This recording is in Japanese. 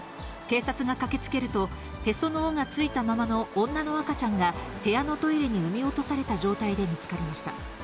警察が駆けつけると、へその緒がついたままの女の赤ちゃんが、部屋のトイレに産み落とされた状態で見つかりました。